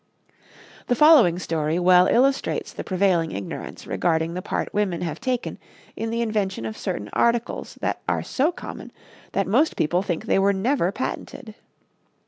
The following story well illustrates the prevailing ignorance regarding the part women have taken in the invention of certain articles that are so common that most people think they were never patented.